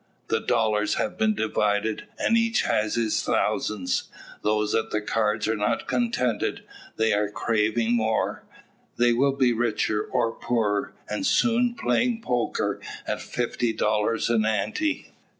The dollars have been divided, and each has his thousands. Those at the cards are not contented, but are craving more. They will be richer, or poorer. And soon; playing "poker" at fifty dollars an "ante."